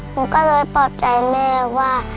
หนูก็เลยปลอบใจแม่ว่า